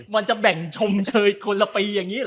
มันจะแบ่งชมเชยคนละปีอย่างนี้เหรอ